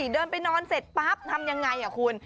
เดินไปนอนเสร็จปั๊บทำยังไงคุณ